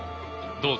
どうぞ。